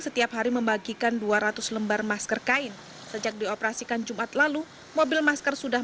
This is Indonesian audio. setiap hari membagikan dua ratus lembar masker kain sejak dioperasikan jumat lalu mobil masker sudah